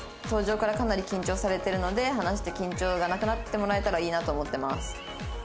「登場からかなり緊張されてるので話して緊張がなくなってもらえたらいいなと思ってます」。